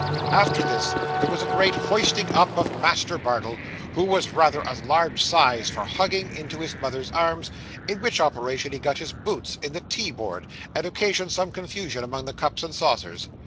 After this, there was a great hoisting up of Master Bardell, who was rather a large size for hugging, into his mother's arms, in which operation he got his boots in the tea board, and occasioned some confusion among the cups and saucers.